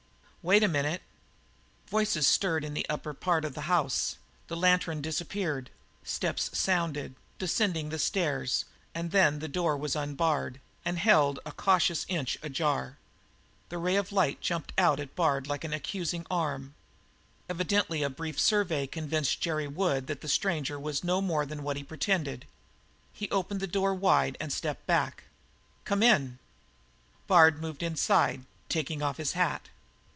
"Wait a minute." Voices stirred in the upper part of the house; the lantern disappeared; steps sounded, descending the stairs, and then the door was unbarred and held a cautious inch ajar. The ray of light jumped out at Bard like an accusing arm. Evidently a brief survey convinced Jerry Wood that the stranger was no more than what he pretended. He opened the door wide and stepped back. "Come in." Bard moved inside, taking off his hat.